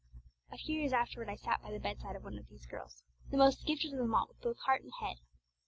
A few years afterwards I sat by the bedside of one of these girls the most gifted of them all with both heart and head.